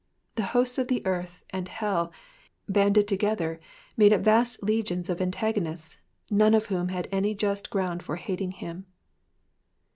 The hosts of earth and hell, banded together, made up vast legions of antagonists, none of whom had any JQst ground for hating him.